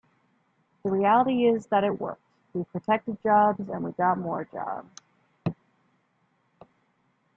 The reality is that it worked, we've protected jobs, and we got more jobs.